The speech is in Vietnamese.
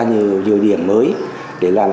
nhiều điểm mới để làm